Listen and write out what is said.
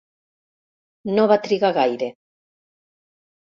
No va trigar gaire.